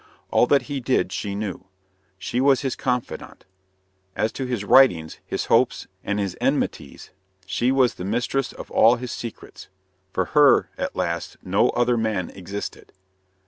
All that he did she knew. She was his confidante. As to his writings, his hopes, and his enmities, she was the mistress of all his secrets. For her, at last, no other man existed.